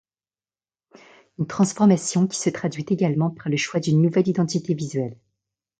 Une transformation qui se traduit également par le choix d’une nouvelle identité visuelle.